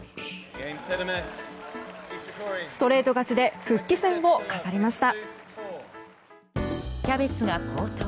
ストレート勝ちで復帰戦を飾りました。